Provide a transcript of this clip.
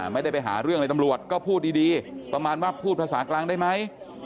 ไม่ได้ไปหาเรื่องในตำรวจก็พูดดีประมาณว่าพูดภาษากลางได้ไหม